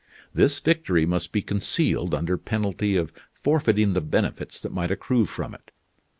This victory must be concealed under penalty of forfeiting the benefits that might accrue from it.